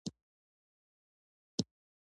لرګی د ځوان نجار د مهارت ښکارندوی دی.